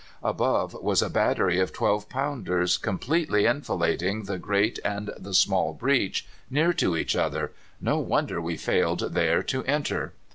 Above was a battery of 12 pounders completely enfilading the great and the small breach, near to each other. No wonder we failed there to enter.